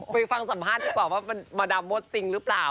ไปฟังสัมภาษณ์ดีกว่าว่ามันมาดามมดจริงหรือเปล่า